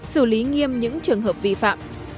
xử lý nghiêm những trường hợp vi phạm